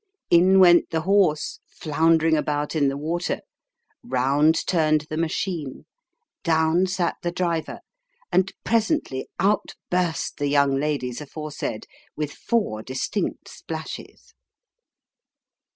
In went the horse, floundering about in the water ; round turned the machine ; down sat the driver ; and presently out burst the young ladies aforesaid, with four distinct splashes.